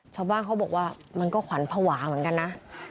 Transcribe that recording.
ชาวบ้านเขาบอกว่ามันก็ขวัญภาวะเหมือนกันนะ